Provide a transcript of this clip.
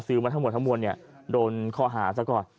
มาทั้งหมดทั้งมวลเนี่ยโดนข้อหาซะก่อน